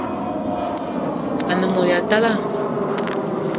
A-ne mot ya talla